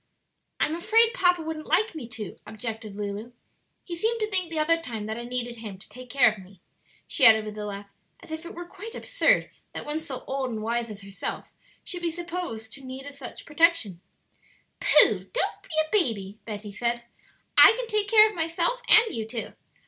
"I'm afraid papa wouldn't like me to," objected Lulu; "he seemed to think the other time that I needed him to take care of me," she added with a laugh, as if it were quite absurd that one so old and wise as herself should be supposed to need such protection. "Pooh!" said Betty, "don't be a baby; I can take care of myself and you too.